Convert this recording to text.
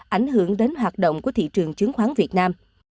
ảnh hưởng đến hoạt động của thị trường chứng khoán việt nam